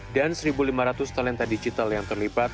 dan satu lima ratus talenta digital yang terlibat